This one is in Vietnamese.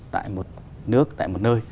tại một nước tại một nơi